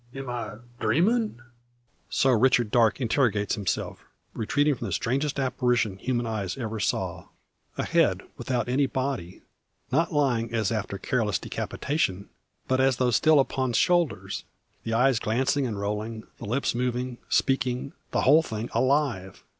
Am I dreaming?" So Richard Darke interrogates himself, retreating from the strangest apparition human eyes ever saw. A head without any body, not lying as after careless decapitation, but as though still upon shoulders, the eyes glancing and rolling, the lips moving, speaking the whole thing alive!